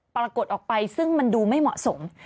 ปรากฏออกไปซึ่งมันดูไม่เหมาะสม